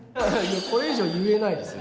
これ以上は言えないですよ。